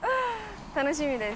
楽しみです。